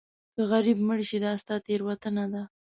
که غریب مړ شې دا ستا تېروتنه ده.